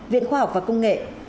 viện khoa học và công nghệ